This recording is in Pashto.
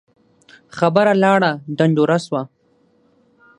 خبره لاړه ډنډوره سوه